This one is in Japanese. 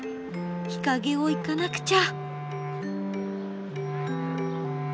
日陰を行かなくちゃ。